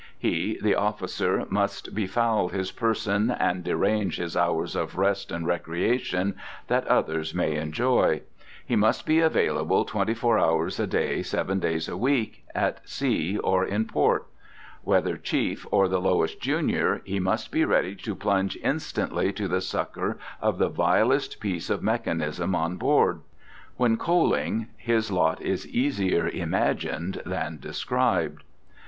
He, the officer, must befoul his person and derange his hours of rest and recreation, that others may enjoy. He must be available twenty four hours a day, seven days a week, at sea or in port. Whether chief or the lowest junior, he must be ready to plunge instantly to the succour of the vilest piece of mechanism on board. When coaling, his lot is easier imagined than described.